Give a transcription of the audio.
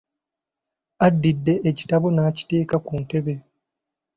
Addidde ekitabo n’akiteeka ku ntebe.